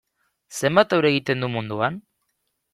Zenbat euri egiten du munduan?